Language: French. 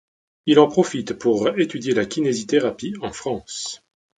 Il en profite pour étudier la kinésithérapie en France.